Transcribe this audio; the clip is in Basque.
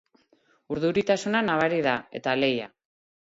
Urduritasuna nabari da, eta lehia.